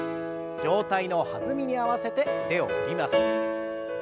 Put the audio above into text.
上体の弾みに合わせて腕を振ります。